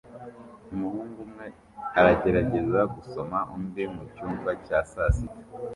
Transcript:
Umuhungu umwe aragerageza gusoma undi mucyumba cya sasita